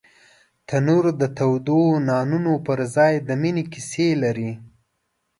تنور د تودو نانو پر ځای د مینې کیسې لري